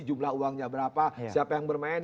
jumlah uangnya berapa siapa yang bermain